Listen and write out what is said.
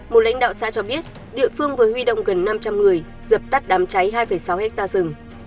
một lãnh đạo xã cho biết địa phương vừa huy động gần năm trăm linh người dập tắt đám cháy hai sáu hectare rừng